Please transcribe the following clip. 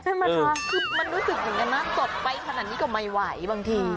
คือมันรู้สึกเหมือนกันนะสดไปขนาดนี้ก็ไม่ไหวบางที